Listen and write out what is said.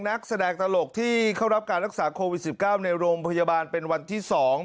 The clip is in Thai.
นักแสดงตลกที่เข้ารับการรักษาโควิด๑๙ในโรงพยาบาลเป็นวันที่๒